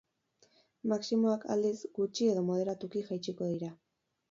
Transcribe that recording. Maximoak, aldiz, gutxi edo moderatuki jaitsiko dira.